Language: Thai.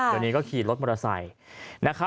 วันนี้ขี่รถมอเตอร์ไซค์